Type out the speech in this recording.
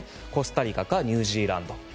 コスタリカかニュージーランド。